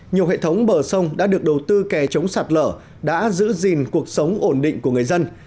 nhiều hệ thống bờ sông đã được đầu tư kè chống sạt lở đã giữ gìn cuộc sống ổn định của người dân